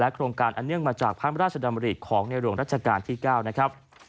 โครงการอันเนื่องมาจากพระราชดำริของในหลวงรัชกาลที่๙นะครับ